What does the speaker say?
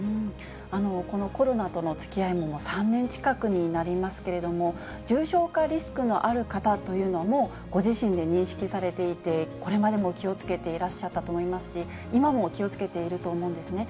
このコロナとのつきあいも３年近くになりますけれども、重症化リスクのある方というのは、もうご自身で認識されていて、これまでも気をつけていらっしゃったと思いますし、今も気をつけていると思うんですね。